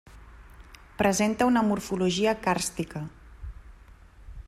Presenta una morfologia càrstica.